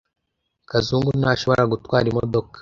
Kazungu ntashobora gutwara imodoka.